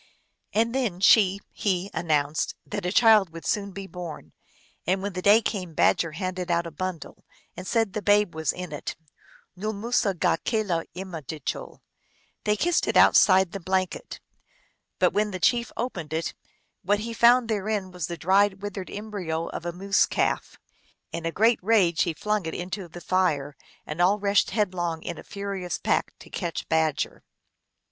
And then she he announced that a child would soon be born. And when the day came Badger handed out a bundle, and said that the babe was in it. " Nool musugakelaimadijul" " They kiss it outside the blan ket." But when the chief opened it what he found therein was the dried, withered embryo of a moose calf. In a great rage he flung it into the fire, and all rushed headlong in a furious pack to catch Badger.